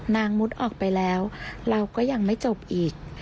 มุดออกไปแล้วเราก็ยังไม่จบอีก